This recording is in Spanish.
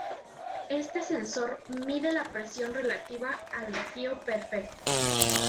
Este sensor mide la presión relativa al vacío perfecto.